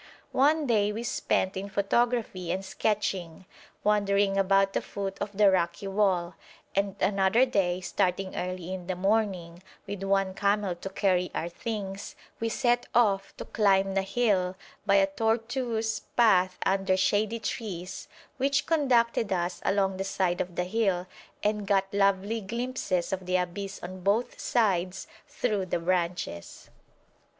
One day we spent in photography and sketching, wandering about the foot of the rocky wall; and another day, starting early in the morning, with one camel to carry our things, we set off to climb the hill by a tortuous path under shady trees which conducted us along the side of the hill, and got lovely glimpses of the abyss on both sides through the branches.